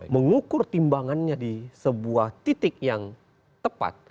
mengukur timbangannya di sebuah titik yang tepat